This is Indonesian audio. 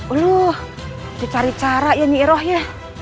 uluh dicari cara ya nih rohnya